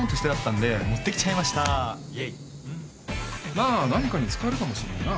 まあ何かに使えるかもしんねえな。